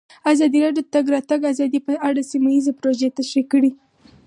ازادي راډیو د د تګ راتګ ازادي په اړه سیمه ییزې پروژې تشریح کړې.